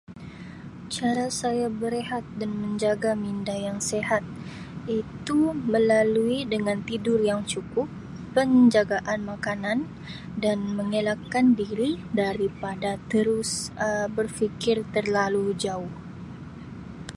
Cara saya berehat dan menjaga minda yang sihat iaitu melalui dengan tidur yang cukup, penjagaan makanan dan mengelakkan diri daripada terus Um berfikir terlalu jauh.